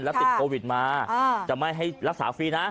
แล้วติดโควิดมาจะไม่ให้รักษาฟรีนะ